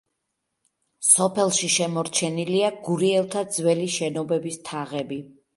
სოფელში შემორჩენილია გურიელთა ძველი შენობების თაღები.